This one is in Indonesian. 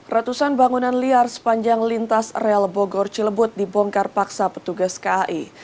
ratusan bangunan liar sepanjang lintas rel bogor cilebut dibongkar paksa petugas kai